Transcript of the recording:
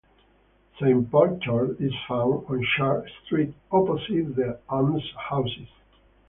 Saint Paul's Church is found on Church Street, opposite the Almshouses.